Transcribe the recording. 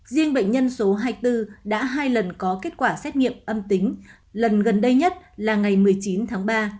riêng bệnh nhân số hai mươi bốn đã hai lần có kết quả xét nghiệm âm tính lần gần đây nhất là ngày một mươi chín tháng ba